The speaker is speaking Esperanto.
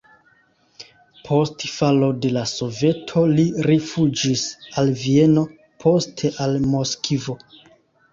Post falo de la Soveto li rifuĝis al Vieno, poste al Moskvo.